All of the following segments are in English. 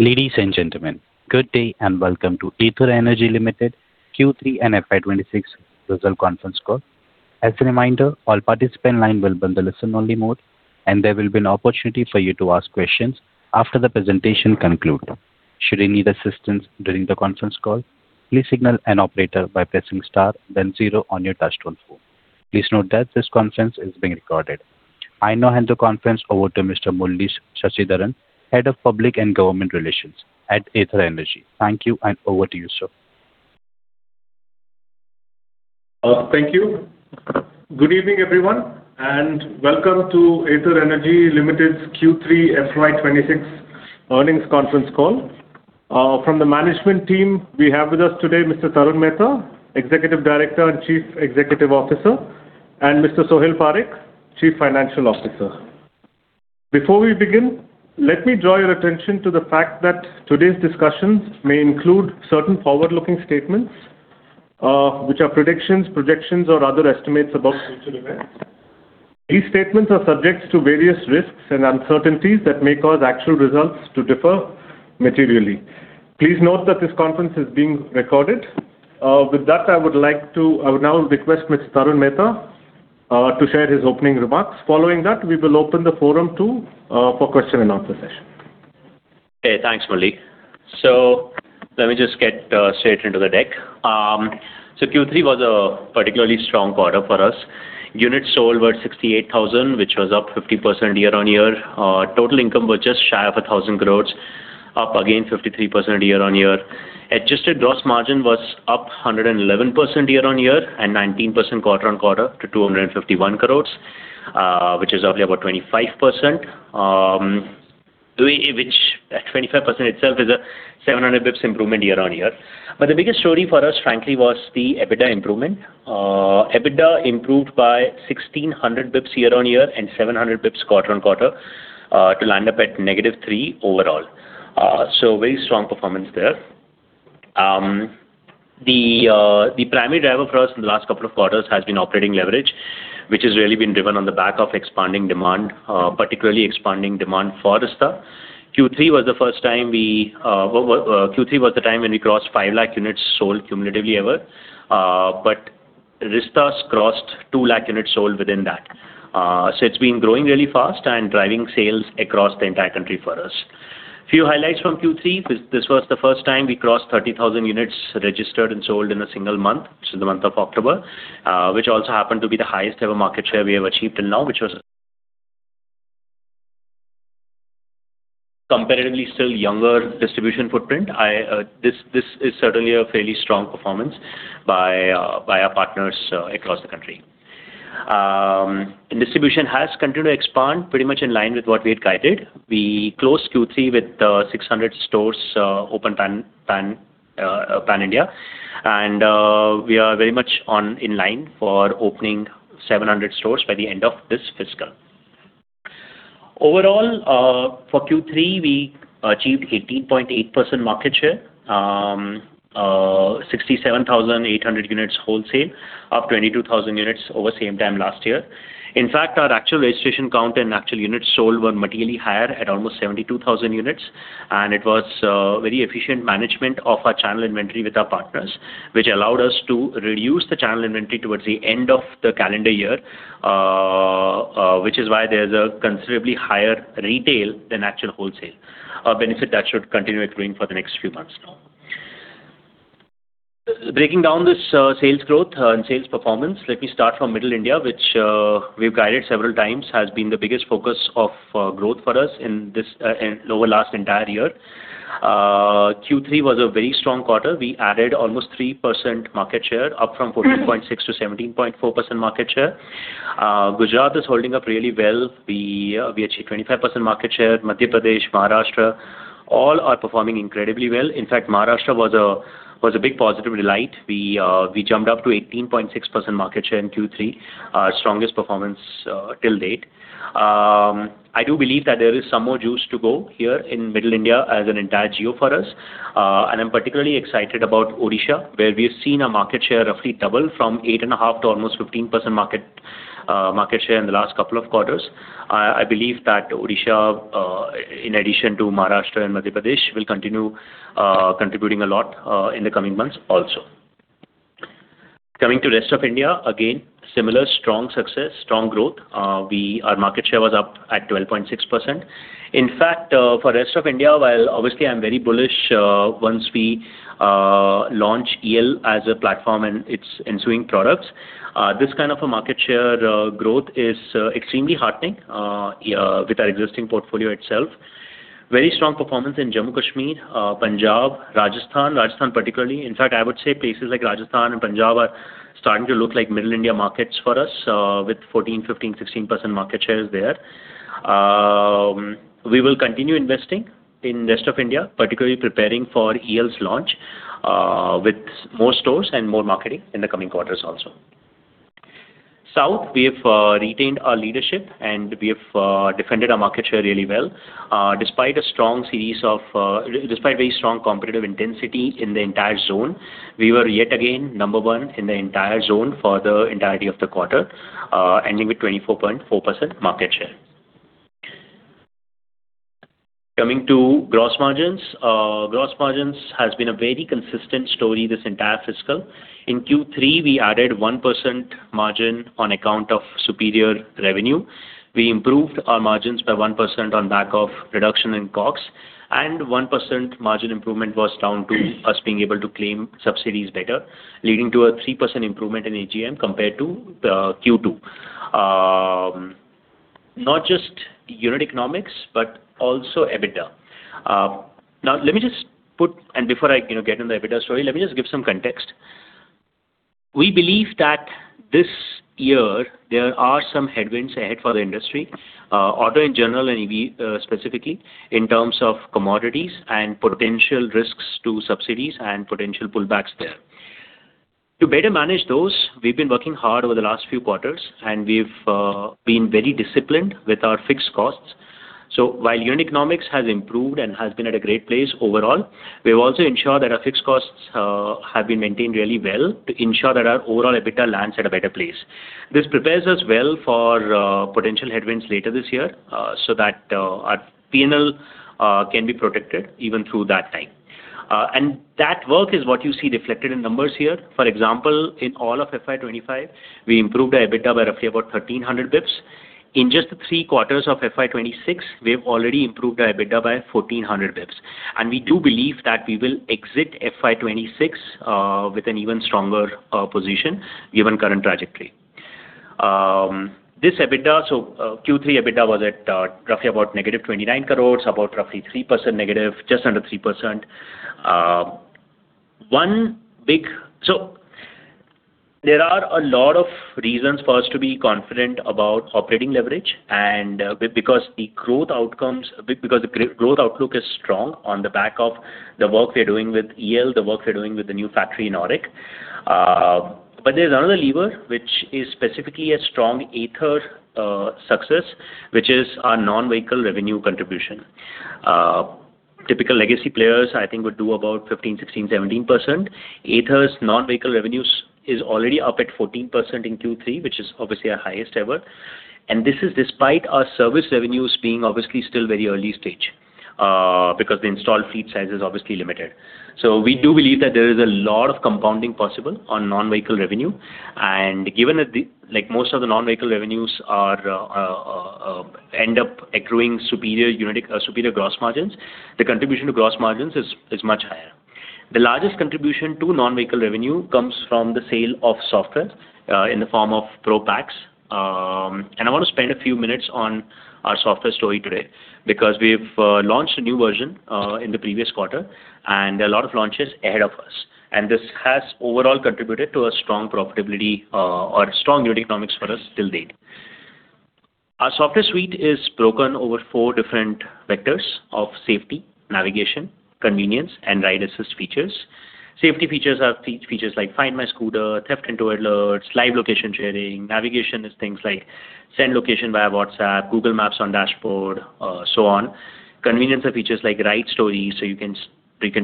Ladies and gentlemen, good day and welcome to Ather Energy Limited Q3 and FY 2026 Result Conference Call. As a reminder, all participants will be in the listen-only mode, and there will be an opportunity for you to ask questions after the presentation concludes. Should you need assistance during the conference call, please signal an operator by pressing star, then zero on your touchscreen phone. Please note that this conference is being recorded. I now hand the conference over to Mr. Murali Sashidharan, Head of Public and Government Relations at Ather Energy. Thank you, and over to you, sir. Thank you. Good evening, everyone, and welcome to Ather Energy Limited's Q3 FY 2026 earnings conference call. From the management team, we have with us today Mr. Tarun Mehta, Executive Director and Chief Executive Officer, and Mr. Sohil Parekh, Chief Financial Officer. Before we begin, let me draw your attention to the fact that today's discussions may include certain forward-looking statements which are predictions, projections, or other estimates about future events. These statements are subject to various risks and uncertainties that may cause actual results to differ materially. Please note that this conference is being recorded. With that, I would now request Mr. Tarun Mehta to share his opening remarks. Following that, we will open the forum too for question-and-answer session. Okay, thanks, Murali. So let me just get straight into the deck. So Q3 was a particularly strong quarter for us. Units sold were 68,000, which was up 50% year-on-year. Total income was just shy of 1,000 crores, up again 53% year-on-year. Adjusted gross margin was up 111% year-on-year and 19% quarter-on-quarter to 251 crores, which is roughly about 25%, which 25% itself is a 700 basis points improvement year-on-year. But the biggest story for us, frankly, was the EBITDA improvement. EBITDA improved by 1,600 basis points year-on-year and 700 basis points quarter-on-quarter to land up at -3 overall. So very strong performance there. The primary driver for us in the last couple of quarters has been operating leverage, which has really been driven on the back of expanding demand, particularly expanding demand for Rizta. Q3 was the first time we crossed 500,000 units sold cumulatively ever, but Rizta's crossed 200,000 units sold within that. So it's been growing really fast and driving sales across the entire country for us. A few highlights from Q3. This was the first time we crossed 30,000 units registered and sold in a single month, which is the month of October, which also happened to be the highest-ever market share we have achieved till now, which was a comparatively still younger distribution footprint. This is certainly a fairly strong performance by our partners across the country. Distribution has continued to expand pretty much in line with what we had guided. We closed Q3 with 600 stores opened pan-India, and we are very much in line for opening 700 stores by the end of this fiscal. Overall, for Q3, we achieved 18.8% market share, 67,800 units wholesale, up 22,000 units over same time last year. In fact, our actual registration count and actual units sold were materially higher at almost 72,000 units, and it was very efficient management of our channel inventory with our partners, which allowed us to reduce the channel inventory towards the end of the calendar year, which is why there's a considerably higher retail than actual wholesale benefit that should continue accruing for the next few months now. Breaking down this sales growth and sales performance, let me start from Middle India, which we've guided several times, has been the biggest focus of growth for us over the last entire year. Q3 was a very strong quarter. We added almost 3% market share, up from 14.6%-17.4% market share. Gujarat is holding up really well. We achieved 25% market share. Madhya Pradesh, Maharashtra, all are performing incredibly well. In fact, Maharashtra was a big positive delight. We jumped up to 18.6% market share in Q3, our strongest performance to date. I do believe that there is some more juice to go here in Middle India as an entire geo for us. I'm particularly excited about Odisha, where we've seen our market share roughly double from 8.5%-almost 15% market share in the last couple of quarters. I believe that Odisha, in addition to Maharashtra and Madhya Pradesh, will continue contributing a lot in the coming months also. Coming to the rest of India, again, similar, strong success, strong growth. Our market share was up at 12.6%. In fact, for the rest of India, while obviously I'm very bullish once we launch EL as a platform and its ensuing products, this kind of market share growth is extremely heartening with our existing portfolio itself. Very strong performance in Jammu and Kashmir, Punjab, Rajasthan, Rajasthan particularly. In fact, I would say places like Rajasthan and Punjab are starting to look like Middle India markets for us with 14%, 15%, 16% market shares there. We will continue investing in the rest of India, particularly preparing for EL's launch with more stores and more marketing in the coming quarters also. South, we have retained our leadership, and we have defended our market share really well. Despite very strong competitive intensity in the entire zone, we were yet again number one in the entire zone for the entirety of the quarter, ending with 24.4% market share. Coming to gross margins, gross margins has been a very consistent story this entire fiscal. In Q3, we added 1% margin on account of superior revenue. We improved our margins by 1% on the back of reduction in COGS, and 1% margin improvement was down to us being able to claim subsidies better, leading to a 3% improvement in AGM compared to Q2, not just unit economics, but also EBITDA. Now, let me just put and before I get into the EBITDA story, let me just give some context. We believe that this year, there are some headwinds ahead for the industry, auto in general and EV specifically, in terms of commodities and potential risks to subsidies and potential pullbacks there. To better manage those, we've been working hard over the last few quarters, and we've been very disciplined with our fixed costs. So while unit economics has improved and has been at a great place overall, we've also ensured that our fixed costs have been maintained really well to ensure that our overall EBITDA lands at a better place. This prepares us well for potential headwinds later this year so that our P&L can be protected even through that time. And that work is what you see reflected in numbers here. For example, in all of FY 2025, we improved our EBITDA by roughly about 1,300 bps. In just the three quarters of FY 2026, we've already improved our EBITDA by 1,400 bps. And we do believe that we will exit FY 2026 with an even stronger position given current trajectory. This EBITDA so Q3 EBITDA was at roughly about -29 crores, about roughly -3%, just under 3%. So there are a lot of reasons for us to be confident about operating leverage and because the growth outcomes because the growth outlook is strong on the back of the work we're doing with EL, the work we're doing with the new factory in AURIC. But there's another lever, which is specifically a strong Ather success, which is our non-vehicle revenue contribution. Typical legacy players, I think, would do about 15, 16, 17%. Ather's non-vehicle revenue is already up at 14% in Q3, which is obviously our highest ever. And this is despite our service revenues being obviously still very early stage because the installed fleet size is obviously limited. So we do believe that there is a lot of compounding possible on non-vehicle revenue. And given that most of the non-vehicle revenues end up accruing superior gross margins, the contribution to gross margins is much higher. The largest contribution to non-vehicle revenue comes from the sale of software in the form of Pro Packs. I want to spend a few minutes on our software story today because we've launched a new version in the previous quarter, and there are a lot of launches ahead of us. This has overall contributed to a strong profitability or strong unit economics for us till date. Our software suite is broken over four different vectors of safety, navigation, convenience, and Ride Assist features. Safety features are features like Find My Scooter, Theft and Tow Alerts, Live Location Sharing. Navigation is things like Send Location via WhatsApp, Google Maps on dashboard, so on. Convenience are features like Ride Stories so you can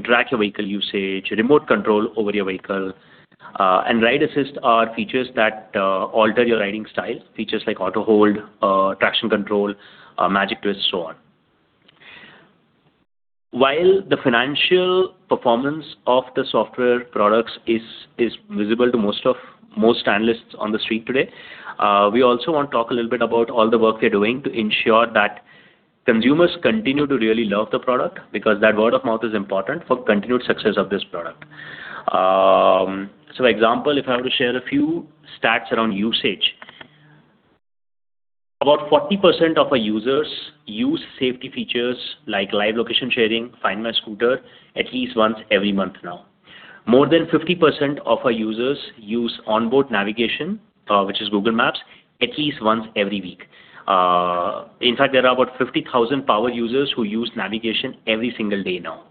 track your vehicle usage, remote control over your vehicle. Ride Assist are features that alter your riding style, features like AutoHold, Traction Control, Magic Twist, so on. While the financial performance of the software products is visible to most analysts on the street today, we also want to talk a little bit about all the work we're doing to ensure that consumers continue to really love the product because that word of mouth is important for continued success of this product. So, for example, if I were to share a few stats around usage, about 40% of our users use safety features like Live Location Sharing, Find My Scooter, at least once every month now. More than 50% of our users use onboard navigation, which is Google Maps, at least once every week. In fact, there are about 50,000 power users who use navigation every single day now.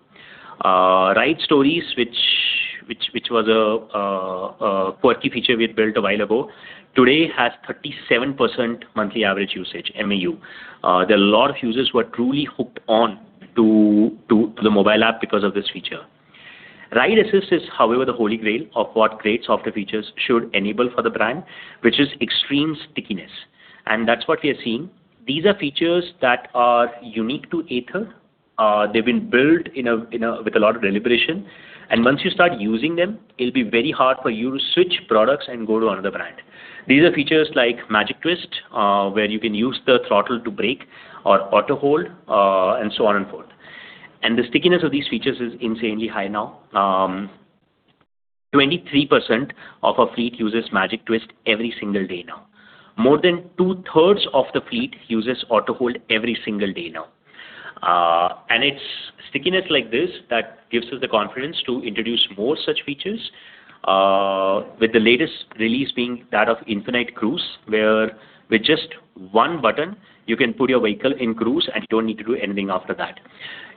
Ride Stories, which was a quirky feature we had built a while ago, today has 37% monthly average usage, MAU. There are a lot of users who are truly hooked on to the mobile app because of this feature. Ride Assist is, however, the holy grail of what great software features should enable for the brand, which is extreme stickiness. That's what we are seeing. These are features that are unique to Ather. They've been built with a lot of deliberation. Once you start using them, it'll be very hard for you to switch products and go to another brand. These are features like Magic Twist, where you can use the throttle to brake, or Auto Hold, and so on and so forth. The stickiness of these features is insanely high now. 23% of our fleet uses Magic Twist every single day now. More than two-thirds of the fleet uses Auto Hold every single day now. And it's stickiness like this that gives us the confidence to introduce more such features, with the latest release being that of Infinite Cruise, where with just one button, you can put your vehicle in cruise, and you don't need to do anything after that.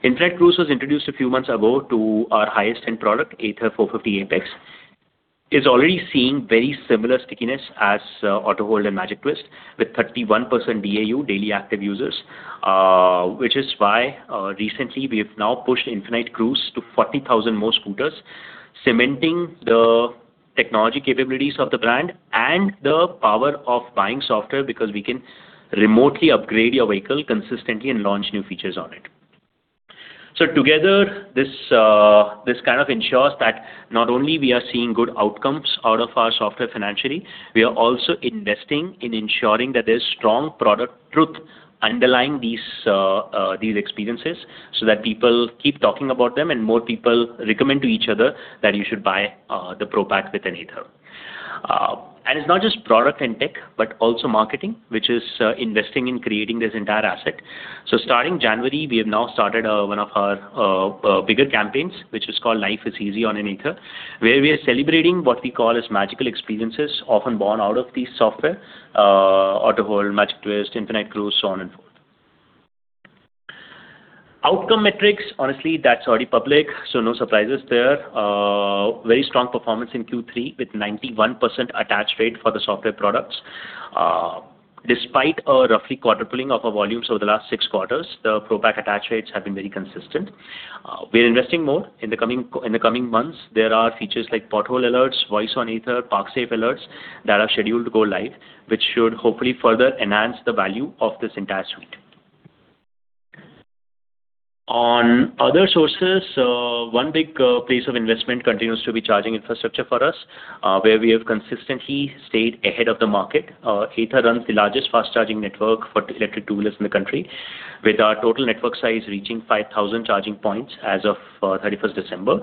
Infinite Cruise was introduced a few months ago to our highest-end product, Ather 450 Apex. It's already seeing very similar stickiness as AutoHold and Magic Twist, with 31% DAU, daily active users, which is why recently we have now pushed Infinite Cruise to 40,000 more scooters, cementing the technology capabilities of the brand and the power of buying software because we can remotely upgrade your vehicle consistently and launch new features on it. So together, this kind of ensures that not only are we seeing good outcomes out of our software financially, we are also investing in ensuring that there's strong product truth underlying these experiences so that people keep talking about them and more people recommend to each other that you should buy the Pro Pack within Ather. And it's not just product and tech, but also marketing, which is investing in creating this entire asset. So starting January, we have now started one of our bigger campaigns, which is called Life is Easy on an Ather, where we are celebrating what we call as magical experiences, often born out of this software: AutoHold, Magic Twist, Infinite Cruise, so on and forth. Outcome metrics, honestly, that's already public, so no surprises there. Very strong performance in Q3 with 91% attach rate for the software products. Despite a roughly quarter pulling of our volumes over the last six quarters, the Pro Pack attach rates have been very consistent. We are investing more. In the coming months, there are features like Pothole Alerts, Voice on Ather, ParkSafe Alerts that are scheduled to go live, which should hopefully further enhance the value of this entire suite. On other sources, one big place of investment continues to be charging infrastructure for us, where we have consistently stayed ahead of the market. Ather runs the largest fast-charging network for electric two-wheelers in the country, with our total network size reaching 5,000 charging points as of 31st December.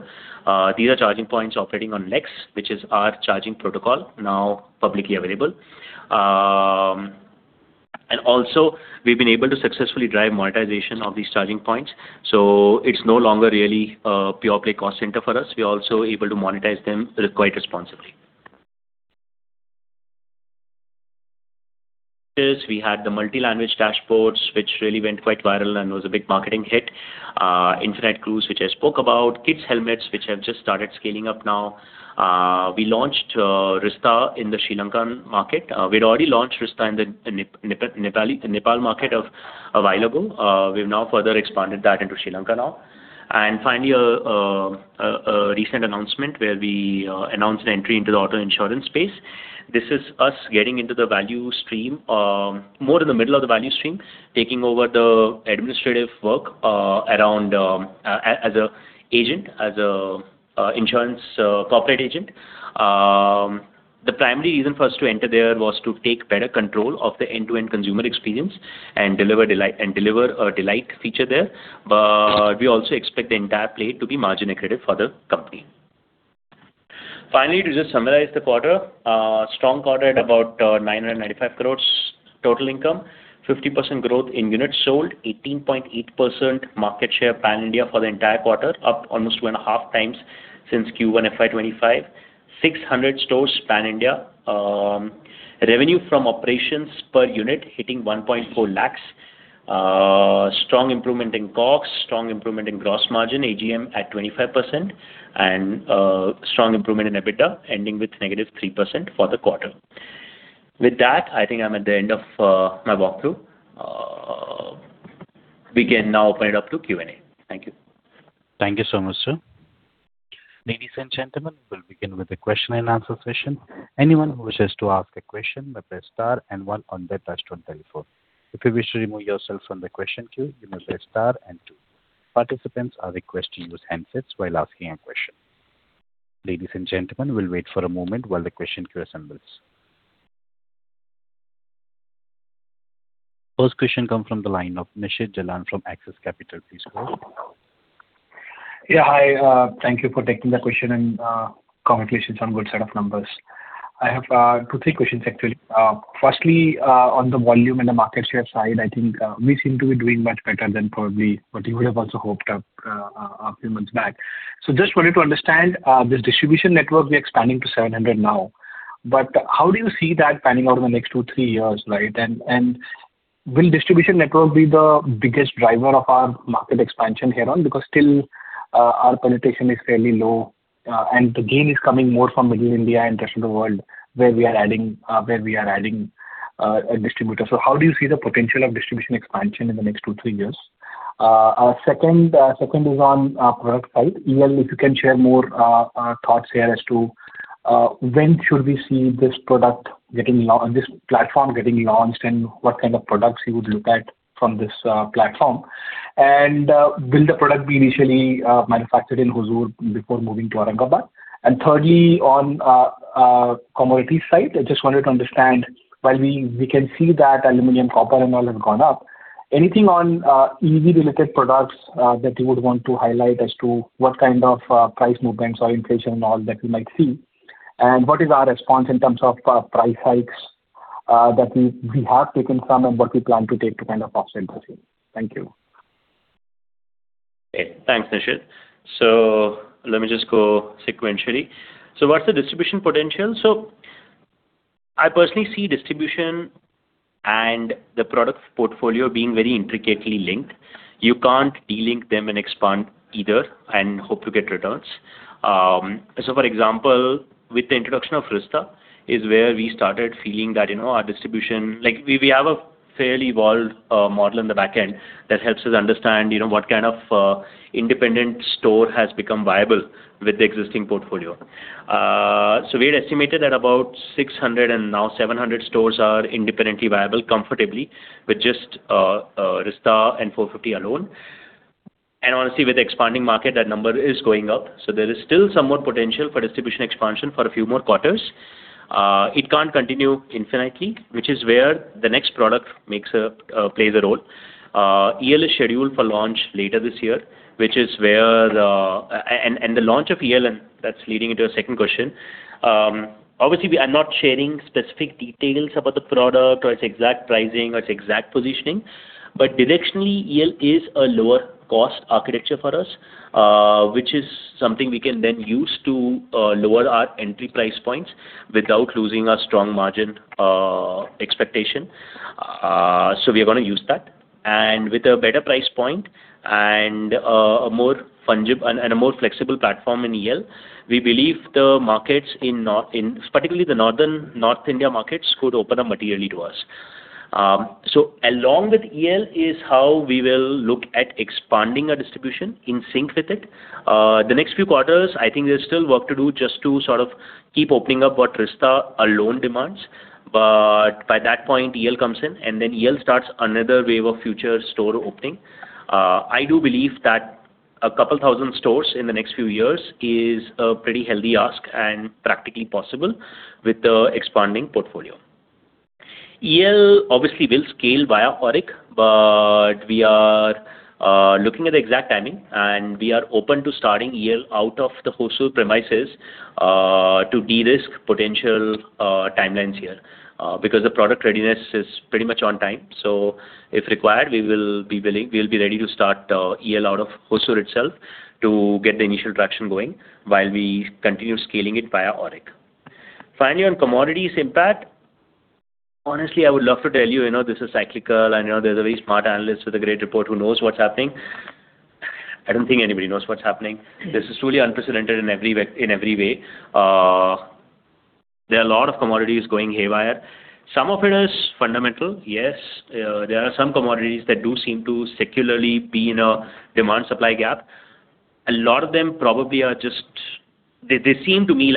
These are charging points operating on LECS, which is our charging protocol, now publicly available. And also, we've been able to successfully drive monetization of these charging points. So it's no longer really a pure-play cost center for us. We are also able to monetize them quite responsibly. We had the multi-language dashboards, which really went quite viral and was a big marketing hit. Infinite Cruise, which I spoke about. Kids' helmets, which have just started scaling up now. We launched Rizta in the Sri Lankan market. We had already launched Rizta in the Nepal market a while ago. We've now further expanded that into Sri Lanka now. And finally, a recent announcement where we announced an entry into the auto insurance space. This is us getting into the value stream more in the middle of the value stream, taking over the administrative work around as an agent, as an insurance corporate agent. The primary reason for us to enter there was to take better control of the end-to-end consumer experience and deliver a delight feature there. But we also expect the entire play to be margin accredited for the company. Finally, to just summarize the quarter, strong quarter at about 995 crores total income, 50% growth in units sold, 18.8% market share pan-India for the entire quarter, up almost 2.5x since Q1 FY 2025, 600 stores pan-India, revenue from operations per unit hitting 1.4 lakhs, strong improvement in COGS, strong improvement in gross margin, AGM at 25%, and strong improvement in EBITDA, ending with -3% for the quarter. With that, I think I'm at the end of my walkthrough. We can now open it up to Q&A. Thank you. Thank you so much, sir. Ladies and gentlemen, we'll begin with a question-and-answer session. Anyone who wishes to ask a question may press star and one on their touchscreen telephone. If you wish to remove yourself from the question queue, you may press star and two. Participants are requested to use handsets while asking a question. Ladies and gentlemen, we'll wait for a moment while the question queue assembles. First question comes from the line of Nishit Jalan from Axis Capital. Please go. Yeah, hi. Thank you for taking the question and congratulations on a good set of numbers. I have two or three questions, actually. Firstly, on the volume and the market share side, I think we seem to be doing much better than probably what you would have also hoped up a few months back. So just wanted to understand, this distribution network, we're expanding to 700 now. But how do you see that panning out in the next two, three years, right? And will distribution network be the biggest driver of our market expansion here on? Because still, our penetration is fairly low, and the gain is coming more from Middle India and the rest of the world, where we are adding distributors. So how do you see the potential of distribution expansion in the next two, three years? Second is on product side. If you can share more thoughts here as to when should we see this platform getting launched and what kind of products you would look at from this platform? And will the product be initially manufactured in Hosur before moving to Aurangabad? And thirdly, on commodities side, I just wanted to understand, while we can see that aluminum, copper, and all have gone up, anything on EV-related products that you would want to highlight as to what kind of price movements or inflation and all that we might see? And what is our response in terms of price hikes that we have taken some and what we plan to take to kind of offset this? Thank you. Okay. Thanks, Nishit. So let me just go sequentially. So what's the distribution potential? So I personally see distribution and the product portfolio being very intricately linked. You can't delink them and expand either and hope to get returns. So, for example, with the introduction of Rizta is where we started feeling that our distribution we have a fairly evolved model in the backend that helps us understand what kind of independent store has become viable with the existing portfolio. So we had estimated that about 600 and now 700 stores are independently viable comfortably with just Rizta and 450 alone. And honestly, with the expanding market, that number is going up. So there is still somewhat potential for distribution expansion for a few more quarters. It can't continue infinitely, which is where the next product plays a role. EL is scheduled for launch later this year, which is the launch of EL, and that's leading into a second question. Obviously, I'm not sharing specific details about the product or its exact pricing or its exact positioning. But directionally, EL is a lower-cost architecture for us, which is something we can then use to lower our entry price points without losing our strong margin expectation. So we are going to use that. And with a better price point and a more flexible platform in EL, we believe the markets, particularly the North India markets, could open up materially to us. So along with EL is how we will look at expanding our distribution in sync with it. The next few quarters, I think there's still work to do just to sort of keep opening up what Rizta alone demands. But by that point, EL comes in, and then EL starts another wave of future store opening. I do believe that 2,000 stores in the next few years is a pretty healthy ask and practically possible with the expanding portfolio. EL obviously will scale via AURIC, but we are looking at the exact timing, and we are open to starting EL out of the Hosur premises to de-risk potential timelines here because the product readiness is pretty much on time. So if required, we will be ready to start EL out of Hosur itself to get the initial traction going while we continue scaling it via AURIC. Finally, on commodities impact, honestly, I would love to tell you this is cyclical, and there's a very smart analyst with a great report who knows what's happening. I don't think anybody knows what's happening. This is truly unprecedented in every way. There are a lot of commodities going haywire. Some of it is fundamental. Yes, there are some commodities that do seem to secularly be in a demand-supply gap. A lot of them probably are just they seem to be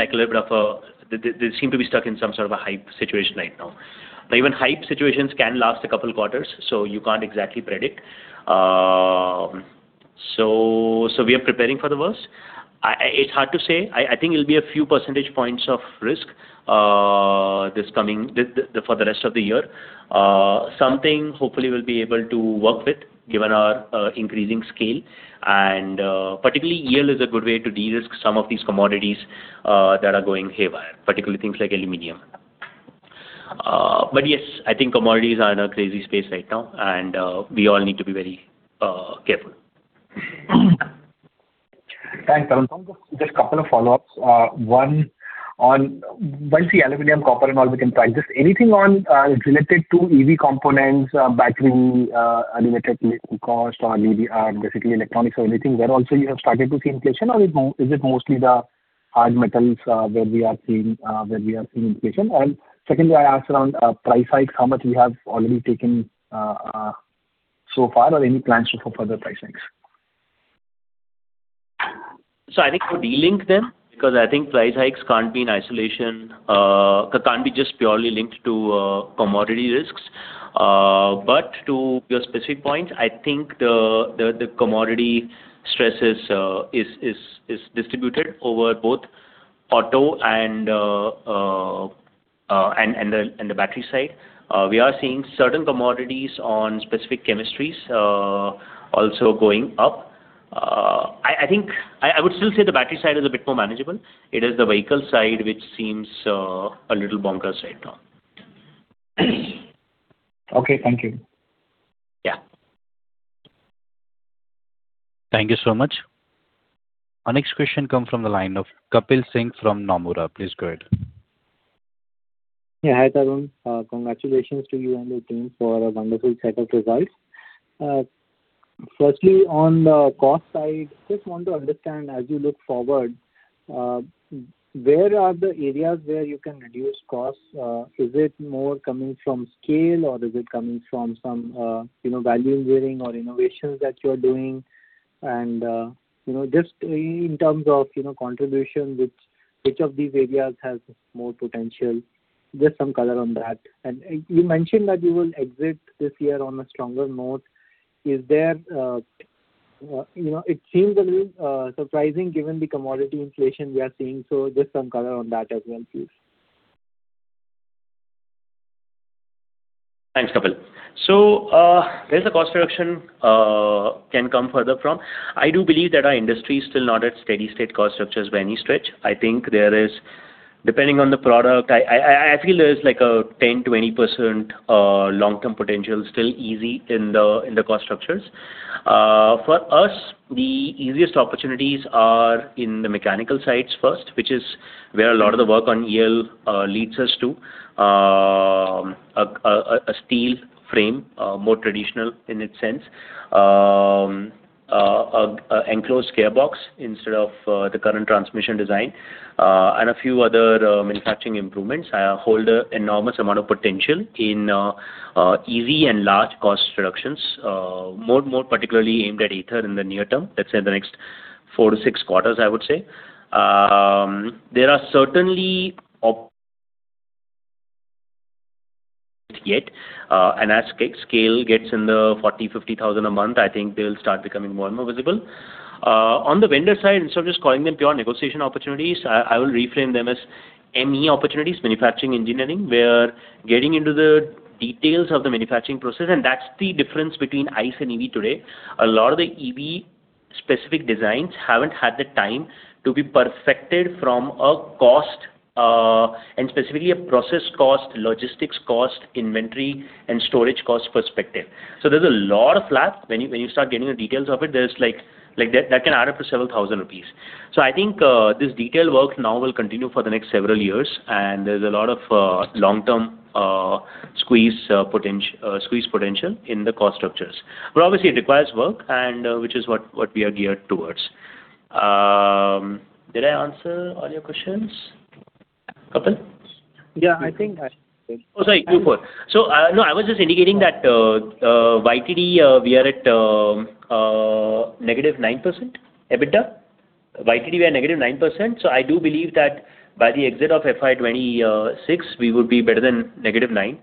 stuck in some sort of a hype situation right now. Now, even hype situations can last a couple quarters, so you can't exactly predict. So we are preparing for the worst. It's hard to say. I think it'll be a few percentage points of risk for the rest of the year. Something, hopefully, we'll be able to work with given our increasing scale. And particularly, EL is a good way to de-risk some of these commodities that are going haywire, particularly things like aluminum. Yes, I think commodities are in a crazy space right now, and we all need to be very careful. Thanks, Tarun. Just a couple of follow-ups. One, once the aluminum, copper, and all begin to price drift, anything related to EV components, battery-related cost, or basically electronics, or anything where also you have started to see inflation, or is it mostly the hard metals where we are seeing inflation? Secondly, I asked around price hikes, how much we have already taken so far, or any plans for further price hikes? I think we'll delink them because I think price hikes can't be in isolation, can't be just purely linked to commodity risks. But to your specific points, I think the commodity stress is distributed over both auto and the battery side. We are seeing certain commodities on specific chemistries also going up. I would still say the battery side is a bit more manageable. It is the vehicle side which seems a little bonkers right now. Okay. Thank you. Yeah. Thank you so much. Our next question comes from the line of Kapil Singh from Nomura. Please go ahead. Yeah. Hi, Tarun. Congratulations to you and your team for a wonderful set of results. Firstly, on the cost side, just want to understand, as you look forward, where are the areas where you can reduce costs? Is it more coming from scale, or is it coming from some value engineering or innovations that you're doing? And just in terms of contribution, which of these areas has more potential? Just some color on that. And you mentioned that you will exit this year on a stronger note. It seems a little surprising given the commodity inflation we are seeing. So just some color on that as well, please. Thanks, Kapil. So there's a cost reduction that can come further from. I do believe that our industry is still not at steady-state cost structures by any stretch. I think there is depending on the product, I feel there is like a 10%-20% long-term potential still easy in the cost structures. For us, the easiest opportunities are in the mechanical sides first, which is where a lot of the work on EL leads us to: a steel frame, more traditional in its sense, an enclosed gearbox instead of the current transmission design, and a few other manufacturing improvements. I hold an enormous amount of potential in easy and large cost reductions, more particularly aimed at Ather in the near term, let's say the next four to six quarters, I would say. There are certainly yet. As scale gets in the 40,000-50,000 a month, I think they'll start becoming more and more visible. On the vendor side, instead of just calling them pure negotiation opportunities, I will reframe them as ME opportunities, manufacturing engineering, where getting into the details of the manufacturing process and that's the difference between ICE and EV today. A lot of the EV-specific designs haven't had the time to be perfected from a cost and specifically a process cost, logistics cost, inventory, and storage cost perspective. So there's a lot of flap. When you start getting the details of it, that can add up to several thousand INR. So I think this detailed work now will continue for the next several years, and there's a lot of long-term squeeze potential in the cost structures. But obviously, it requires work, which is what we are geared towards. Did I answer all your questions? Kapil? Yeah. I think. Oh, sorry. YTD. So no, I was just indicating that YTD, we are at -9% EBITDA. YTD, we are -9%. So I do believe that by the exit of FY 2026, we would be better than negative 9%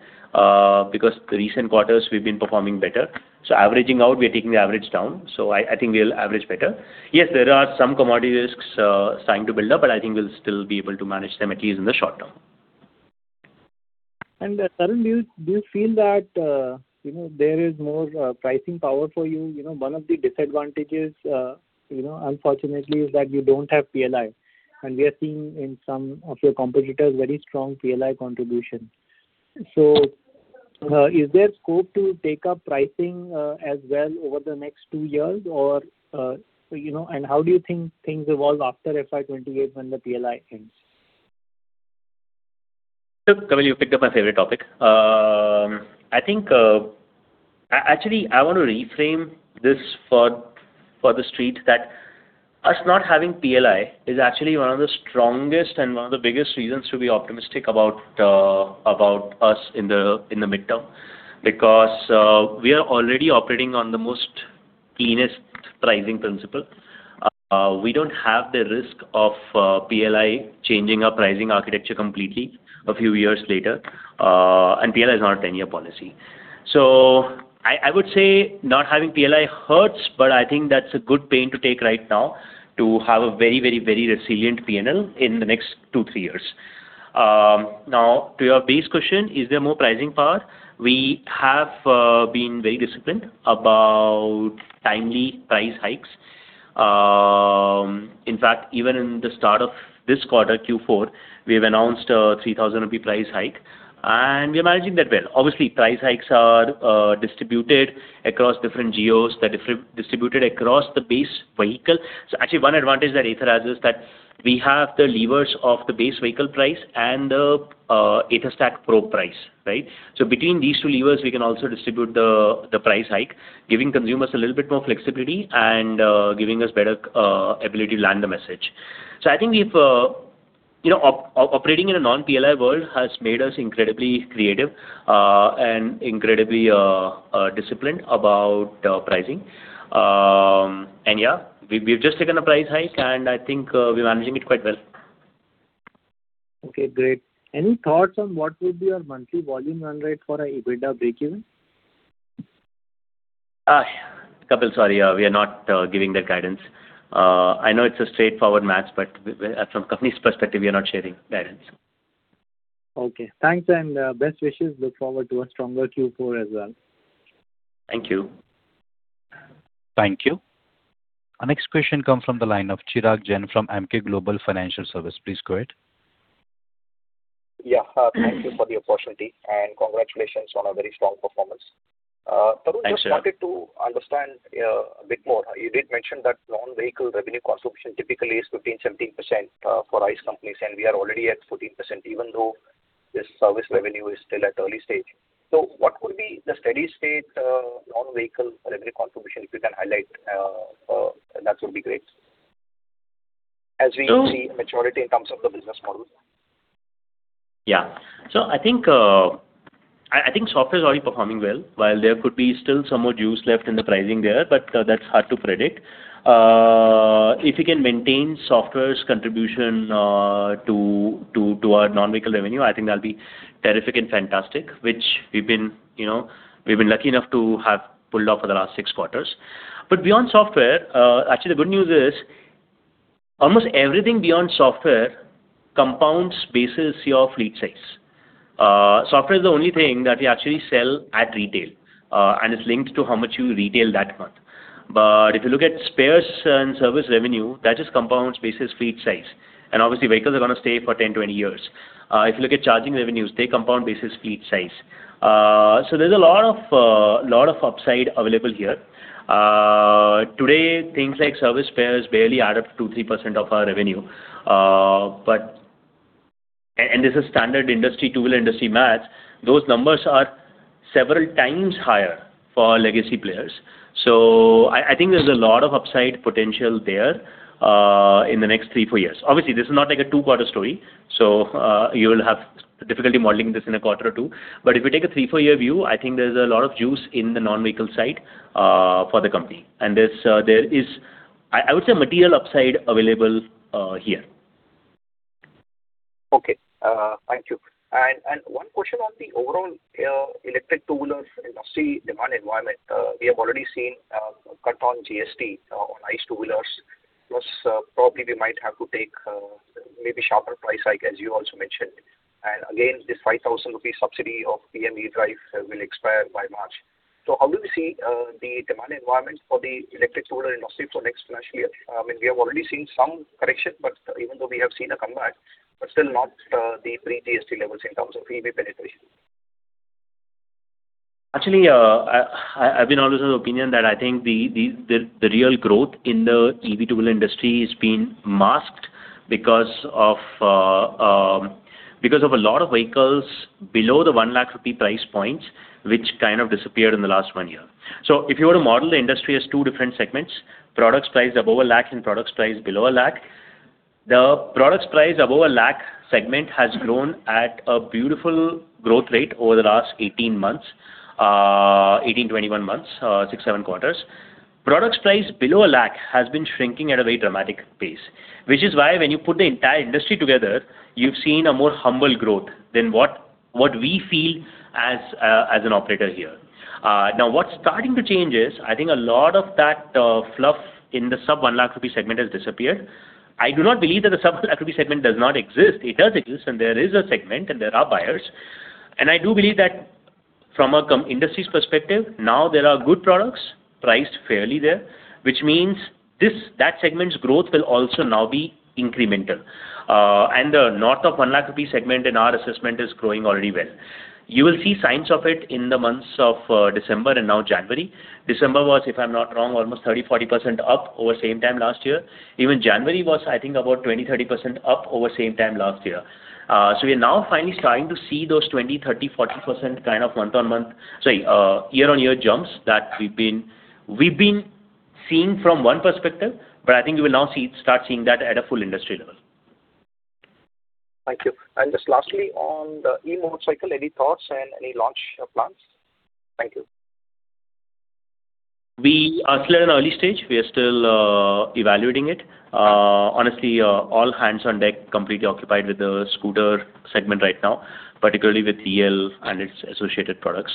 because the recent quarters, we've been performing better. So averaging out, we are taking the average down. So I think we'll average better. Yes, there are some commodity risks starting to build up, but I think we'll still be able to manage them at least in the short term. Tarun, do you feel that there is more pricing power for you? One of the disadvantages, unfortunately, is that you don't have PLI. We are seeing in some of your competitors very strong PLI contribution. So is there scope to take up pricing as well over the next two years? And how do you think things evolve after FY 2028 when the PLI ends? Kapil, you picked up my favorite topic. Actually, I want to reframe this for the street that us not having PLI is actually one of the strongest and one of the biggest reasons to be optimistic about us in the midterm because we are already operating on the most cleanest pricing principle. We don't have the risk of PLI changing our pricing architecture completely a few years later. PLI is not a 10-year policy. I would say not having PLI hurts, but I think that's a good pain to take right now to have a very, very, very resilient P&L in the next two, three years. Now, to your base question, is there more pricing power? We have been very disciplined about timely price hikes. In fact, even in the start of this quarter, Q4, we have announced an 3,000 rupee price hike, and we are managing that well. Obviously, price hikes are distributed across different geos. They're distributed across the base vehicle. So actually, one advantage that Ather has is that we have the levers of the base vehicle price and the AtherStack Pro price, right? So between these two levers, we can also distribute the price hike, giving consumers a little bit more flexibility and giving us better ability to land the message. So I think operating in a non-PLI world has made us incredibly creative and incredibly disciplined about pricing. And yeah, we've just taken a price hike, and I think we're managing it quite well. Okay. Great. Any thoughts on what would be your monthly volume run rate for an EBITDA breakeven? Kapil, sorry. We are not giving that guidance. I know it's a straightforward match, but from a company's perspective, we are not sharing guidance. Okay. Thanks and best wishes. Look forward to a stronger Q4 as well. Thank you. Thank you. Our next question comes from the line of Chirag Jain from Emkay Global Financial Services. Please go ahead. Yeah. Thank you for the opportunity, and congratulations on a very strong performance. Thanks, Chirag. Just wanted to understand a bit more. You did mention that non-vehicle revenue contribution typically is 15%-17% for ICE companies, and we are already at 14% even though this service revenue is still at early stage. So what would be the steady-state non-vehicle revenue contribution, if you can highlight? That would be great as we see a maturity in terms of the business model. Yeah. So I think software is already performing well, while there could be still somewhat juice left in the pricing there, but that's hard to predict. If we can maintain software's contribution to our non-vehicle revenue, I think that'll be terrific and fantastic, which we've been lucky enough to have pulled off for the last six quarters. But beyond software, actually, the good news is almost everything beyond software compounds basis your fleet size. Software is the only thing that we actually sell at retail, and it's linked to how much you retail that month. But if you look at spares and service revenue, that just compounds basis fleet size. And obviously, vehicles are going to stay for 10, 20 years. If you look at charging revenues, they compound basis fleet size. So there's a lot of upside available here. Today, things like service spares barely add up to 2%-3% of our revenue. This is standard two-wheeler industry math. Those numbers are several times higher for legacy players. I think there's a lot of upside potential there in the next three to four years. Obviously, this is not like a two-quarter story, so you'll have difficulty modeling this in a quarter or two. If you take a three to four-year view, I think there's a lot of juice in the non-vehicle side for the company. There is, I would say, material upside available here. Okay. Thank you. One question on the overall electric two-wheeler industry demand environment. We have already seen a cut on GST on ICE two-wheelers, plus probably we might have to take maybe a sharper price hike, as you also mentioned. Again, this 5,000 rupee subsidy of PM E-DRIVE will expire by March. How do we see the demand environment for the electric two-wheeler industry for next financial year? I mean, we have already seen some correction, even though we have seen a comeback, but still not the pre-GST levels in terms of EV penetration. Actually, I've been always of the opinion that I think the real growth in the EV two-wheeler industry has been masked because of a lot of vehicles below the 1 lakh rupee price points, which kind of disappeared in the last one year. So if you were to model the industry as two different segments, products priced above a lakh and products priced below a lakh, the products priced above a lakh segment has grown at a beautiful growth rate over the last 18 months, 18, 21 months, six quarter, seven quarters. Products priced below a lakh has been shrinking at a very dramatic pace, which is why when you put the entire industry together, you've seen a more humble growth than what we feel as an operator here. Now, what's starting to change is I think a lot of that fluff in the sub-INR 1 lakh segment has disappeared. I do not believe that the sub-INR 1 lakh segment does not exist. It does exist, and there is a segment, and there are buyers. And I do believe that from an industry's perspective, now there are good products priced fairly there, which means that segment's growth will also now be incremental. And the north of 1 lakh rupees segment, in our assessment, is growing already well. You will see signs of it in the months of December and now January. December was, if I'm not wrong, almost 30%-40% up over the same time last year. Even January was, I think, about 20%-30% up over the same time last year. So we are now finally starting to see those 20%-30%-40% kind of month-on-month, sorry, year-on-year jumps that we've been seeing from one perspective. But I think you will now start seeing that at a full industry level. Thank you. And just lastly, on the e-motorcycle, any thoughts and any launch plans? Thank you. We are still in an early stage. We are still evaluating it. Honestly, all hands on deck, completely occupied with the scooter segment right now, particularly with EL and its associated products.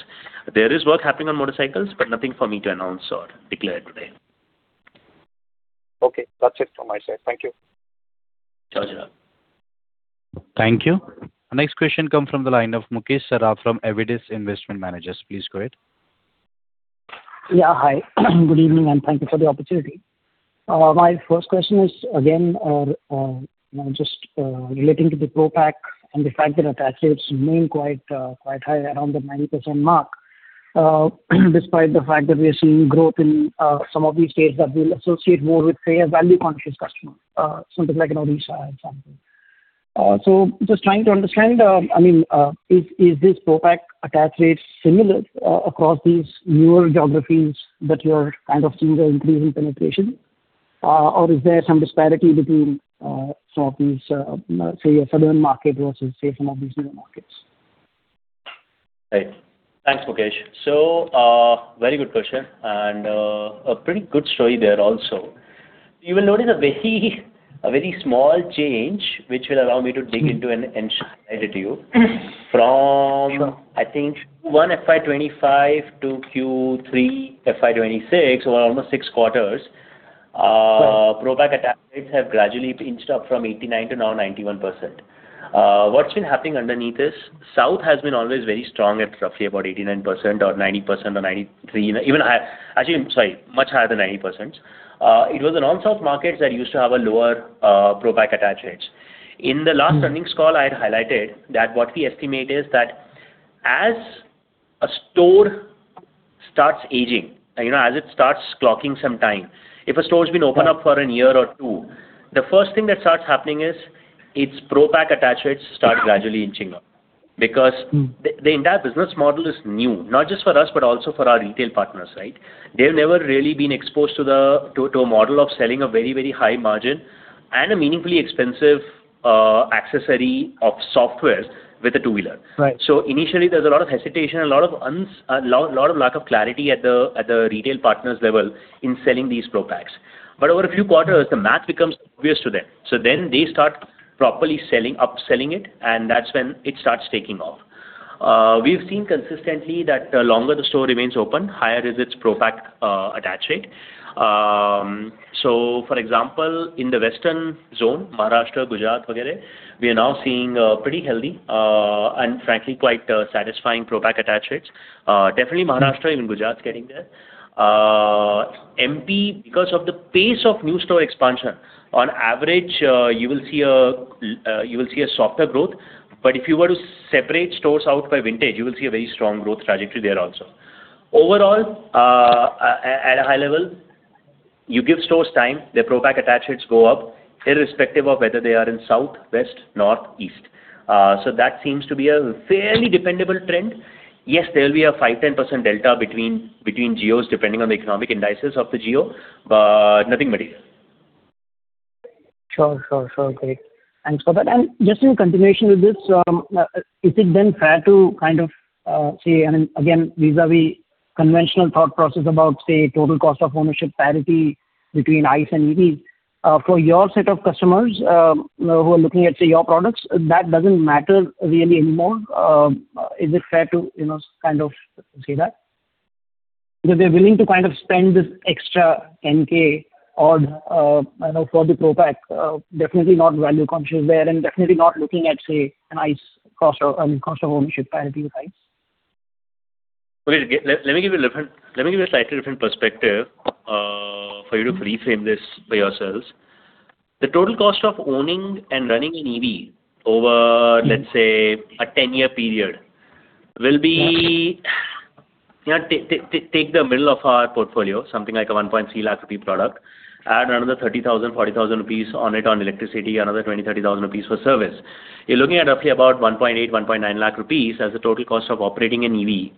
There is work happening on motorcycles, but nothing for me to announce or declare today. Okay. That's it from my side. Thank you. Thank you. Thank you. Our next question comes from the line of Mukesh Saraf from Avendus Capital. Please go ahead. Yeah. Hi. Good evening, and thank you for the opportunity. My first question is, again, just relating to the Pro Pack and the fact that it actually remained quite high around the 90% mark, despite the fact that we are seeing growth in some of these states that will associate more with fair value-conscious customers, something like Odisha, for example. So just trying to understand, I mean, is this Pro Pack attach rate similar across these newer geographies that you're kind of seeing an increase in penetration, or is there some disparity between some of these, say, a southern market versus, say, some of these newer markets? Thanks, Mukesh. So very good question and a pretty good story there also. You will notice a very small change, which will allow me to dig into and share it with you. From, I think, Q1 FY 2025 to Q3 FY 2026, over almost six quarters, Pro Pack attach rates have gradually inched up from 89% to now 91%. What's been happening underneath is south has been always very strong at roughly about 89% or 90% or 93%, even higher, actually, sorry, much higher than 90%. It was the non-south markets that used to have a lower Pro Pack attach rates. In the last earnings call, I had highlighted that what we estimate is that as a store starts aging, as it starts clocking some time, if a store's been open up for a year or two, the first thing that starts happening is its Pro Pack attach rates start gradually inching up because the entire business model is new, not just for us, but also for our retail partners, right? They've never really been exposed to a model of selling a very, very high margin and a meaningfully expensive accessory of software with a two-wheeler. So initially, there's a lot of hesitation, a lot of lack of clarity at the retail partners' level in selling these Pro Packs. But over a few quarters, the math becomes obvious to them. So then they start properly upselling it, and that's when it starts taking off. We've seen consistently that the longer the store remains open, higher is its Pro Pack attach rate. So, for example, in the western zone, Maharashtra, Gujarat, etc., we are now seeing pretty healthy and, frankly, quite satisfying Pro Pack attach rates. Definitely, Maharashtra, even Gujarat's getting there. MP, because of the pace of new store expansion, on average, you will see a softer growth. But if you were to separate stores out by vintage, you will see a very strong growth trajectory there also. Overall, at a high level, you give stores time, their Pro Pack attach rates go up, irrespective of whether they are in south, west, north, or east. So that seems to be a fairly dependable trend. Yes, there will be a 5%-10% delta between geos, depending on the economic indices of the geo, but nothing material. Sure, sure, sure. Great. Thanks for that. Just in continuation with this, is it then fair to kind of say, I mean, again, vis-à-vis conventional thought process about, say, total cost of ownership parity between ICE and EVs, for your set of customers who are looking at, say, your products, that doesn't matter really anymore? Is it fair to kind of say that? Because they're willing to kind of spend this extra INR 10,000 odd for the Pro Pack, definitely not value-conscious there and definitely not looking at, say, an ICE cost of ownership parity with ICE. Okay. Let me give you a different, let me give you a slightly different perspective for you to reframe this for yourselves. The total cost of owning and running an EV over, let's say, a 10-year period will be. Take the middle of our portfolio, something like a 130,000 rupee product, add another 30,000-40,000 rupees on it on electricity, another 20,000-30,000 rupees for service. You're looking at roughly about 180,000-190,000 rupees as the total cost of operating an EV,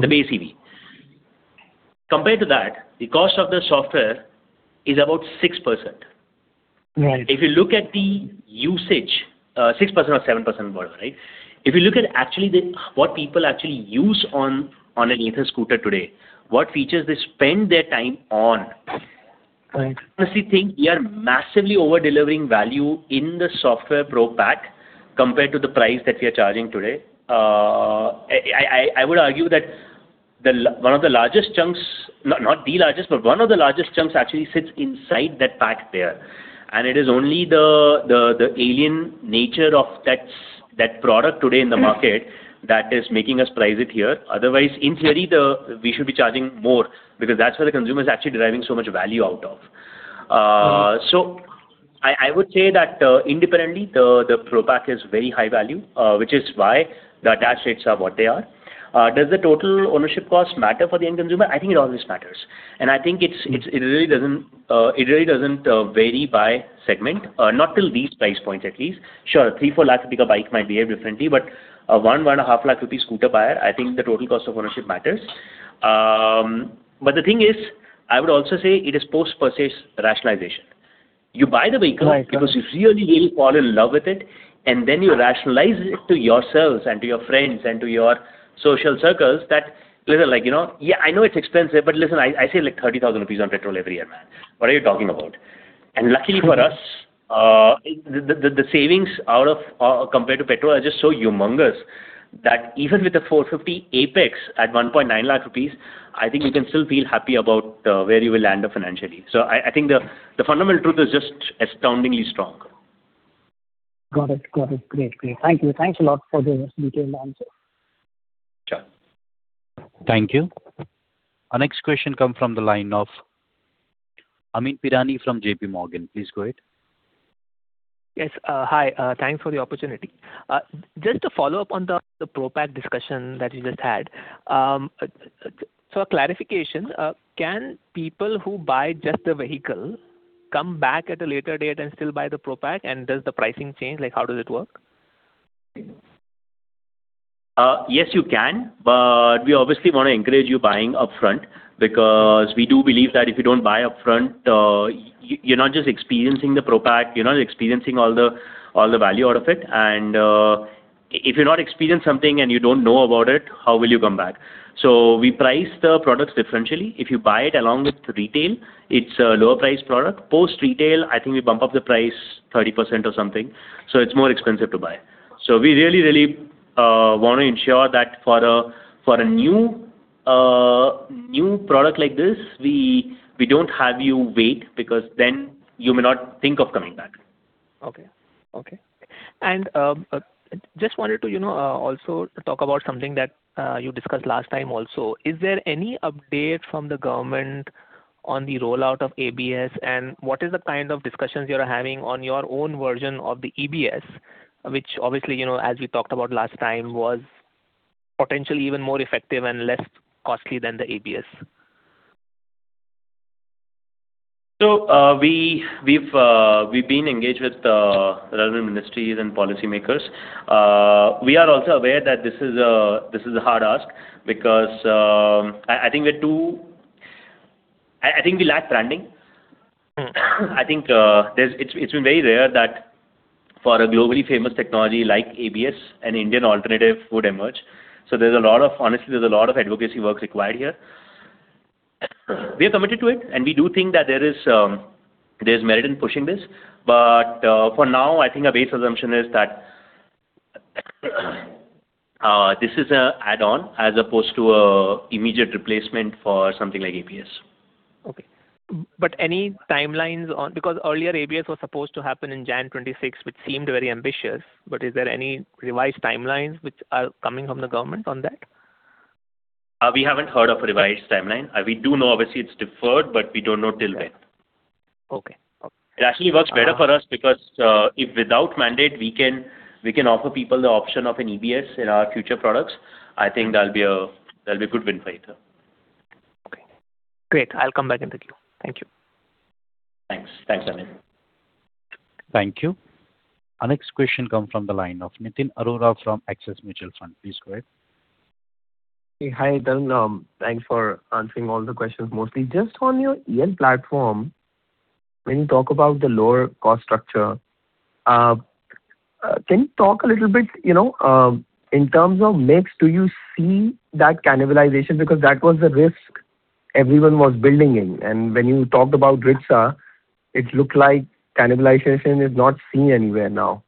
the base EV. Compared to that, the cost of the software is about 6%. If you look at the usage, 6%-7%, whatever, right? If you look at actually what people actually use on an Ather scooter today, what features they spend their time on, honestly, I think we are massively over-delivering value in the software Pro Pack compared to the price that we are charging today. I would argue that one of the largest chunks - not the largest, but one of the largest chunks - actually sits inside that pack there. It is only the alien nature of that product today in the market that is making us price it here. Otherwise, in theory, we should be charging more because that's where the consumer is actually deriving so much value out of. I would say that independently, the Pro Pack is very high value, which is why the attach rates are what they are. Does the total ownership cost matter for the end consumer? I think it always matters. I think it really doesn't vary by segment, not till these price points, at least. Sure, a 3 lakh-4 lakh rupee bike might behave differently, but a 1 lakh-1.5 lakh rupee scooter buyer, I think the total cost of ownership matters. The thing is, I would also say it is post-purchase rationalization. You buy the vehicle because you really, really fall in love with it, and then you rationalize it to yourselves and to your friends and to your social circles that, "Listen, yeah, I know it's expensive, but listen, I save like 30,000 rupees on petrol every year, man. What are you talking about?" Luckily for us, the savings compared to petrol are just so humongous that even with a 450 Apex at 1.9 lakh rupees, I think you can still feel happy about where you will land up financially. I think the fundamental truth is just astoundingly strong. Got it. Got it. Great, great. Thank you. Thanks a lot for those detailed answers. Sure. Thank you. Our next question comes from the line of Amyn Pirani from J.P. Morgan. Please go ahead. Yes. Hi. Thanks for the opportunity. Just to follow up on the Pro Pack discussion that we just had, so a clarification, can people who buy just the vehicle come back at a later date and still buy the Pro Pack, and does the pricing change? How does it work? Yes, you can. But we obviously want to encourage you buying upfront because we do believe that if you don't buy upfront, you're not just experiencing the Pro Pack; you're not experiencing all the value out of it. And if you're not experiencing something and you don't know about it, how will you come back? So we price the products differentially. If you buy it along with retail, it's a lower-priced product. Post-retail, I think we bump up the price 30% or something, so it's more expensive to buy. So we really, really want to ensure that for a new product like this, we don't have you wait because then you may not think of coming back. Okay. Okay. Just wanted to also talk about something that you discussed last time also. Is there any update from the government on the rollout of ABS, and what is the kind of discussions you are having on your own version of the EBS, which obviously, as we talked about last time, was potentially even more effective and less costly than the ABS? So we've been engaged with the relevant ministries and policymakers. We are also aware that this is a hard ask because I think we lack branding. I think it's been very rare that for a globally famous technology like ABS, an Indian alternative would emerge. So there's a lot of, honestly, a lot of advocacy work required here. We are committed to it, and we do think that there is merit in pushing this. But for now, I think a base assumption is that this is an add-on as opposed to an immediate replacement for something like ABS. Okay. But any timelines on, because earlier, ABS was supposed to happen on January 26, which seemed very ambitious, but is there any revised timelines which are coming from the government on that? We haven't heard of a revised timeline. We do know, obviously, it's deferred, but we don't know till when. It actually works better for us because if, without mandate, we can offer people the option of an EBS in our future products, I think that'll be a good win for Ather. Okay. Great. I'll come back in the queue. Thank you. Thanks. Thanks, Amyn. Thank you. Our next question comes from the line of Nitin Arora from Axis Mutual Fund. Please go ahead. Hi, Tarun. Thanks for answering all the questions mostly. Just on your EL platform, when you talk about the lower cost structure, can you talk a little bit in terms of mix, do you see that cannibalization? Because that was the risk everyone was building in. And when you talked about Rizta, it looked like cannibalization is not seen anywhere now.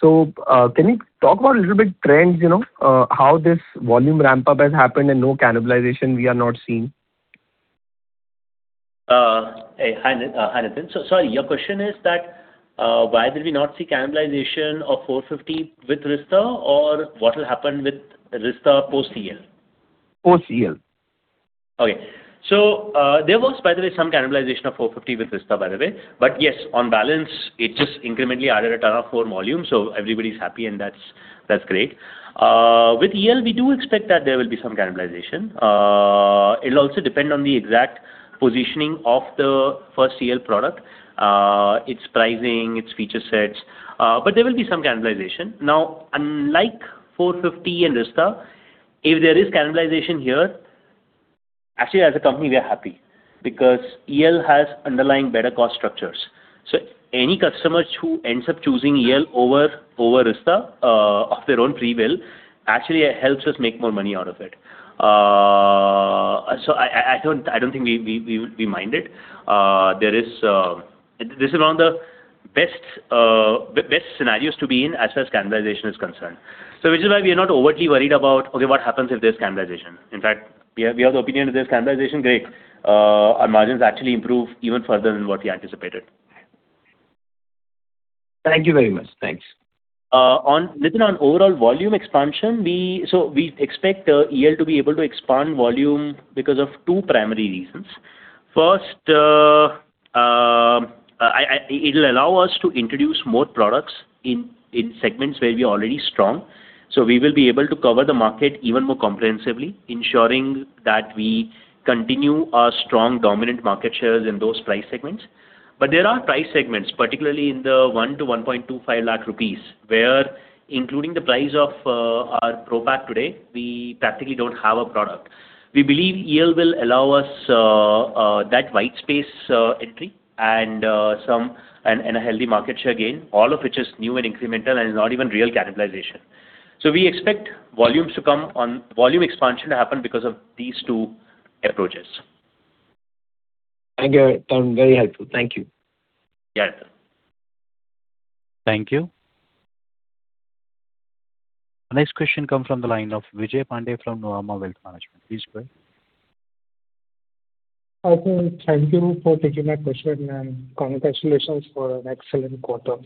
So can you talk about a little bit trends, how this volume ramp-up has happened and no cannibalization we are not seeing? Hi, Nitin. So sorry, your question is that why did we not see cannibalization of 450 with Rizta, or what will happen with Rizta post-EL? Post-EL. Okay. So there was, by the way, some cannibalization of 450 with Rizta, by the way. But yes, on balance, it just incrementally added a ton of more volume, so everybody's happy, and that's great. With EL, we do expect that there will be some cannibalization. It'll also depend on the exact positioning of the first EL product, its pricing, its feature sets, but there will be some cannibalization. Now, unlike 450 and Rizta, if there is cannibalization here, actually, as a company, we are happy because EL has underlying better cost structures. So any customer who ends up choosing EL over Rizta of their own free will actually helps us make more money out of it. So I don't think we mind it. This is one of the best scenarios to be in as far as cannibalization is concerned, which is why we are not overtly worried about, "Okay, what happens if there's cannibalization?" In fact, we have the opinion if there's cannibalization, great. Our margins actually improve even further than what we anticipated. Thank you very much. Thanks. Nitin, on overall volume expansion, so we expect EL to be able to expand volume because of two primary reasons. First, it'll allow us to introduce more products in segments where we are already strong. So we will be able to cover the market even more comprehensively, ensuring that we continue our strong dominant market shares in those price segments. But there are price segments, particularly in the 1 lakh-1.25 lakh rupees range, where, including the price of our Pro Pack today, we practically don't have a product. We believe EL will allow us that white space entry and a healthy market share gain, all of which is new and incremental and is not even real cannibalization. So we expect volume expansion to happen because of these two approaches. Thank you, Tarun. Very helpful. Thank you. Yeah, Nitin. Thank you. Our next question comes from the line of Vijay Pandey from Nuvama Wealth Management. Please go ahead. Awesome. Thank you for taking my question, and congratulations for an excellent quarter.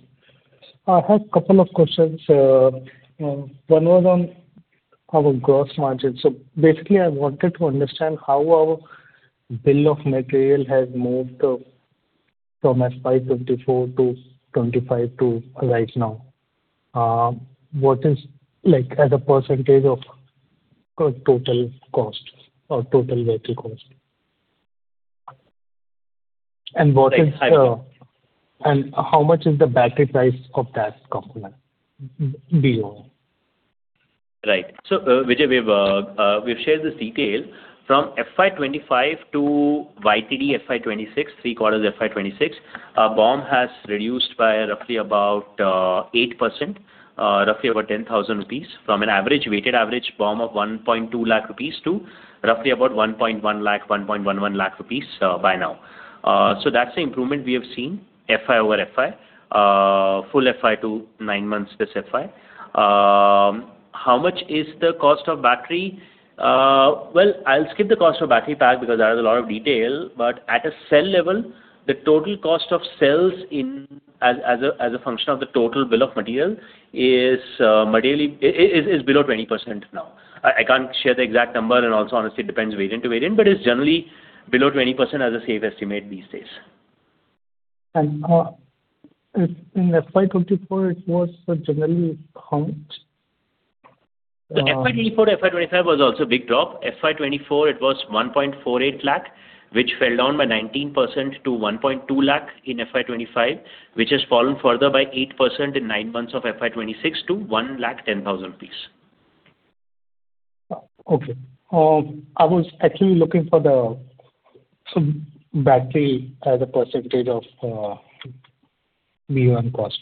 I have a couple of questions. One was on our gross margin. So basically, I wanted to understand how our bill of material has moved from 55.4 to 25 to right now. What is, as a percentage of total cost or total battery cost? And what is the—and how much is the battery price of that component beyond? Right. So Vijay, we've shared this detail. From FY 2025 to YTD FY 2026, three-quarters FY 2026, BOM has reduced by roughly about 8%, roughly over 10,000 rupees, from an average weighted average BOM of 120,000 rupees to roughly about 110,000, 111,000 rupees by now. So that's the improvement we have seen, FY over FY, full FY to nine months this FY. How much is the cost of battery? Well, I'll skip the cost of battery pack because that is a lot of detail, but at a cell level, the total cost of cells as a function of the total bill of material is below 20% now. I can't share the exact number, and also, honestly, it depends variant to variant, but it's generally below 20% as a safe estimate these days. And in FY 2024, it was generally how much? FY 2024 to FY 2025 was also a big drop. FY 2024, it was 1.48 lakh, which fell down by 19% to 1.2 lakh in FY 2025, which has fallen further by 8% in nine months of FY 2026 to 110,000. Okay. I was actually looking for the battery as a percentage of BOM cost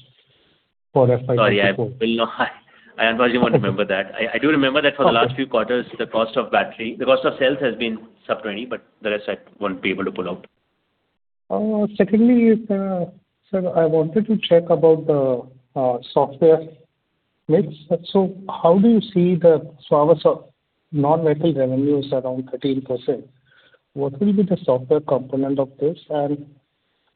for FY 2024. Sorry, I apologize. I advised you won't remember that. I do remember that for the last few quarters, the cost of cells has been sub-20, but the rest I won't be able to pull out. Secondly, sir, I wanted to check about the software mix. So how do you see the non-vehicle revenues around 13%? What will be the software component of this? And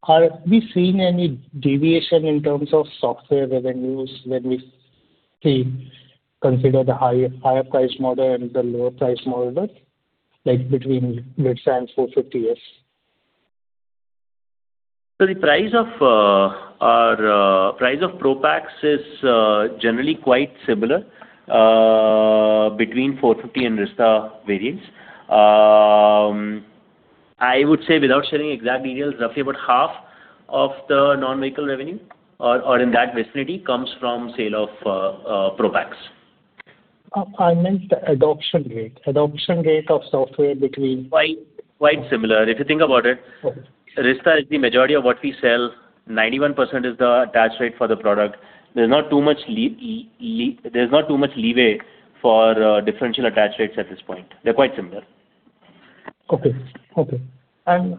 are we seeing any deviation in terms of software revenues when we consider the higher-priced model and the lower-priced model between Rizta and 450s? So the price of Pro Packs is generally quite similar between 450 and Rizta variants. I would say, without sharing exact details, roughly about half of the non-vehicle revenue or in that vicinity comes from sale of Pro Packs. I meant the adoption rate. Adoption rate of software between. Quite similar. If you think about it, Rizta is the majority of what we sell. 91% is the attach rate for the product. There's not too much leeway for differential attach rates at this point. They're quite similar. Okay. Okay.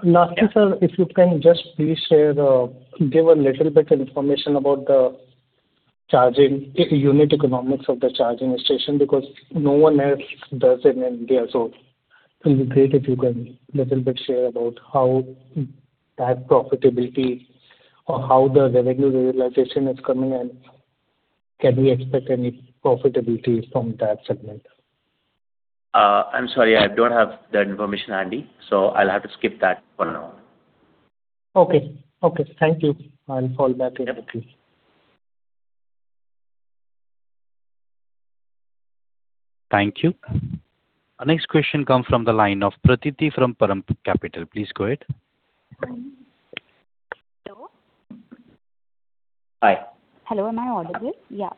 Lastly, sir, if you can just please give a little bit of information about the charging unit economics of the charging station because no one else does it in India, so it'll be great if you can a little bit share about how that profitability or how the revenue realization is coming, and can we expect any profitability from that segment? I'm sorry, I don't have that information handy, so I'll have to skip that for now. Okay. Okay. Thank you. I'll fall back in with you. Thank you. Our next question comes from the line of Pratithi from Param Capital. Please go ahead. Hello? Hi. Hello. Am I audible? Yeah.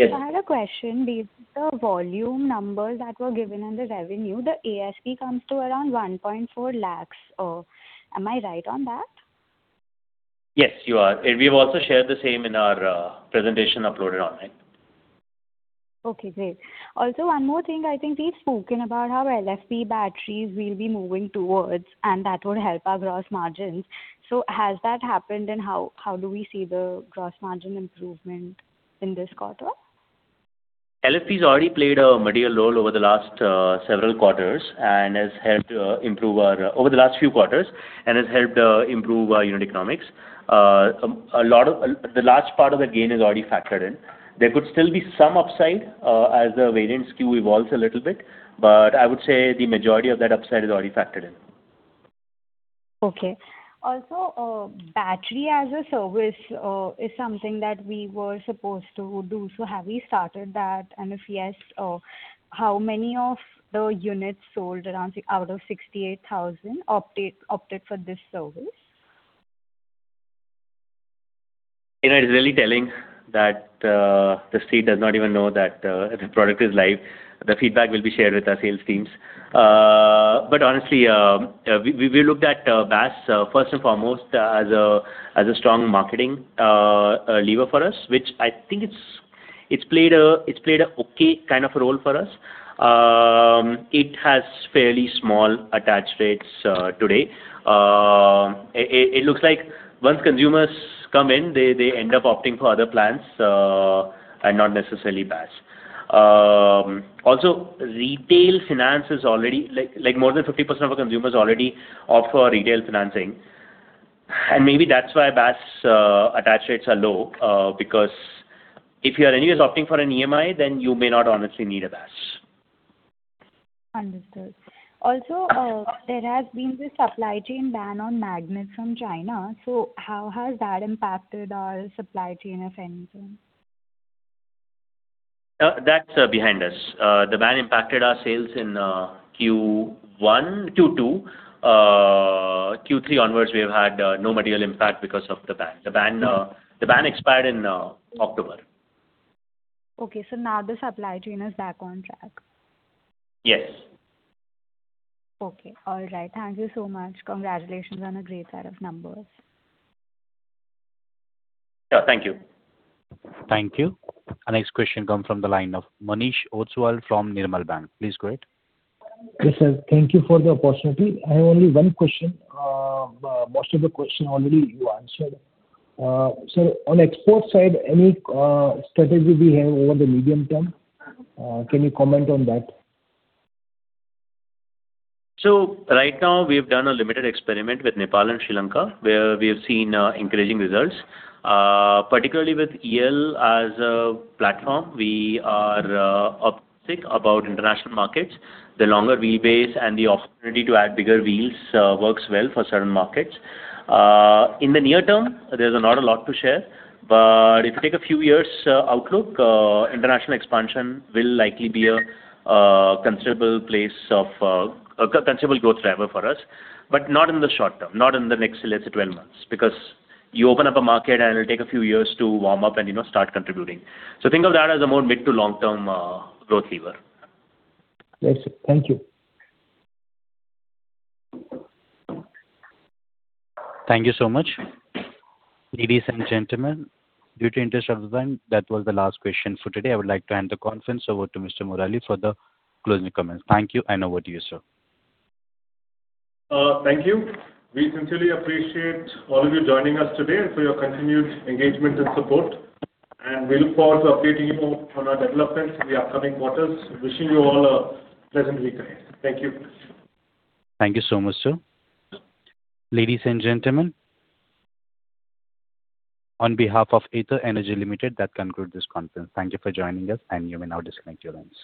Yes. I had a question. Based on the volume numbers that were given in the revenue, the ASP comes to around 1.4 lakh. Am I right on that? Yes, you are. We've also shared the same in our presentation uploaded online. Okay. Great. Also, one more thing. I think we've spoken about how LFP batteries will be moving towards, and that would help our gross margins. So has that happened, and how do we see the gross margin improvement in this quarter? LFP has already played a material role over the last several quarters and has helped improve our unit economics over the last few quarters. The last part of the gain is already factored in. There could still be some upside as the variant skew evolves a little bit, but I would say the majority of that upside is already factored in. Okay. Also, battery as a service is something that we were supposed to do. So have we started that? And if yes, how many of the units sold out of 68,000 opted for this service? It's really telling that the state does not even know that the product is live. The feedback will be shared with our sales teams. But honestly, we looked at BaaS first and foremost as a strong marketing lever for us, which I think it's played an okay kind of a role for us. It has fairly small attach rates today. It looks like once consumers come in, they end up opting for other plans and not necessarily BaaS. Also, retail finance is already more than 50% of our consumers already opt for retail financing. And maybe that's why BaaS attach rates are low because if you are anyways opting for an EMI, then you may not honestly need a BaaS. Understood. Also, there has been this supply chain ban on magnets from China. So how has that impacted our supply chain, if anything? That's behind us. The ban impacted our sales in Q2. Q3 onwards, we have had no material impact because of the ban. The ban expired in October. Okay. So now the supply chain is back on track? Yes. Okay. All right. Thank you so much. Congratulations on a great set of numbers. Yeah. Thank you. Thank you. Our next question comes from the line of Manish Ostwal from Nirmal Bang. Please go ahead. Yes, sir. Thank you for the opportunity. I have only one question. Most of the questions already you answered. Sir, on export side, any strategy we have over the medium term? Can you comment on that? So right now, we've done a limited experiment with Nepal and Sri Lanka, where we have seen encouraging results. Particularly with EL as a platform, we are optimistic about international markets. The longer wheelbase and the opportunity to add bigger wheels works well for certain markets. In the near term, there's not a lot to share, but if you take a few years outlook, international expansion will likely be a considerable piece of a considerable growth driver for us, but not in the short term, not in the next, let's say, 12 months because you open up a market, and it'll take a few years to warm up and start contributing. So think of that as a more mid- to long-term growth lever. Yes, sir. Thank you. Thank you so much. Ladies and gentlemen, in the interest of time, that was the last question for today. I would like to hand the conference over to Mr. Murali for the closing comments. Thank you, and over to you, sir. Thank you. We sincerely appreciate all of you joining us today and for your continued engagement and support. We look forward to updating you on our developments in the upcoming quarters. Wishing you all a pleasant week ahead. Thank you. Thank you so much, sir. Ladies and gentlemen, on behalf of Ather Energy Limited, that concludes this conference. Thank you for joining us, and you may now disconnect your lines.